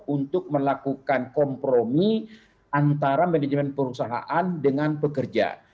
untuk melakukan kompromi antara manajemen perusahaan dengan pekerja